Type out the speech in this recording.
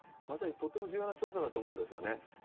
まさにとても重要な調査だと思うんですよね。